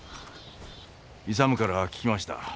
勇から聞きました。